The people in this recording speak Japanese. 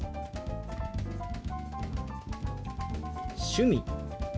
「趣味」。